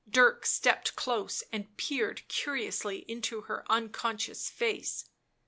Dirk stepped close and peered curiously into her unconscious face.